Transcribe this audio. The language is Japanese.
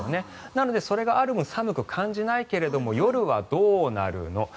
なので、それがある分寒く感じないけど夜はどうなるの。